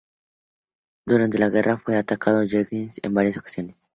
Durante la guerra fue atacado por kamikazes en varias ocasiones.